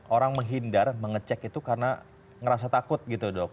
orang menghindar mengecek itu karena ngerasa takut gitu dok